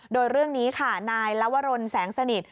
โดยเรื่องนี้ค่ะนายลวรนแสงสนิท